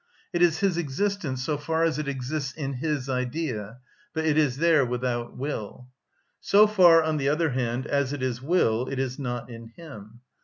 It is his existence, so far as it exists in his idea; but it is there without will. So far, on the other hand, as it is will, it is not in him.